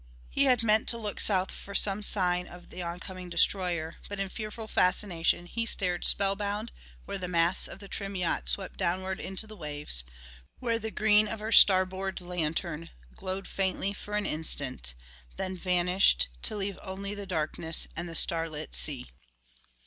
He had meant to look south for some sign of the oncoming destroyer, but in fearful fascination he stared spellbound where the masts of the trim yacht swept downward into the waves, where the green of her star board lantern glowed faintly for an instant, then vanished, to leave only the darkness and the starlit sea.